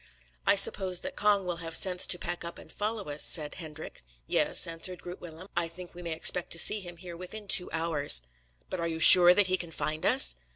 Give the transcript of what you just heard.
"I suppose that Cong will have sense to pack up and follow us," said Hendrik. "Yes," answered Groot Willem, "I think we may expect to see him here within two hours." "But are you sure that he can find us?"